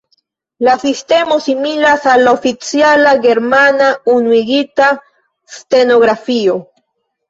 La sistemo similas al la oficiala Germana Unuigita Stenografio.